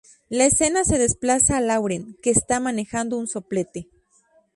La escena se desplaza a Lauren, que está manejando un soplete.